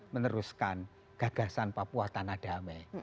meneruskan gagasan papua tanah damai